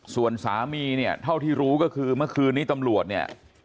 ส่วนสามีเนี่ยเท่าที่รู้ก็คือเมื่อคืนนี้ตำรวจเนี่ย